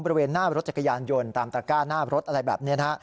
บริเวณหน้ารถจักรยานยนต์ตามตระก้าหน้ารถอะไรแบบนี้นะฮะ